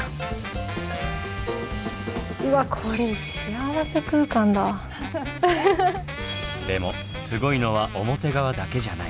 うわっでもすごいのは表側だけじゃない。